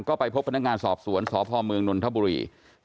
ก็ไปพบพนักงานสอบสวนสพเมืองนนทบุรี